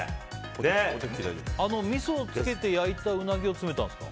みそをつけて焼いたうなぎを詰めたんですか？